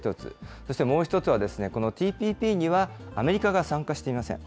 そしてもう一つはこのＴＰＰには、アメリカが参加していません。